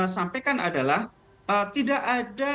sampaikan adalah tidak ada